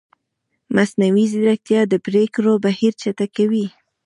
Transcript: مصنوعي ځیرکتیا د پرېکړو بهیر چټکوي.